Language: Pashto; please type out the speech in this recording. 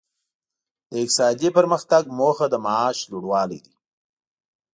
د اقتصادي پرمختګ موخه د معاش لوړوالی دی.